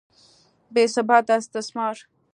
بې ثباته استثمار.